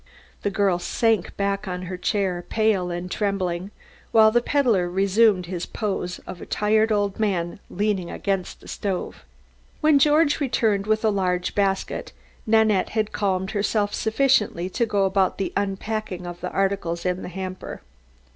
The girl sank back on her chair pale and trembling, while the peddler resumed his pose of a tired old man leaning against the stove. When George returned with a large basket, Nanette had calmed herself sufficiently to go about the unpacking of the articles in the hamper.